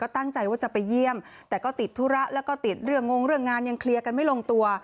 ติดเรื่องงงเรื่องงานยังเคลียร์กันไม่ลงตัว